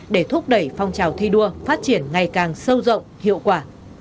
để thúc đẩy phong trào thi đua phát triển ngày càng sâu rộng hiệu quả